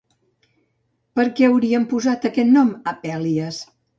Per què haurien posat aquest nom a Pèlias?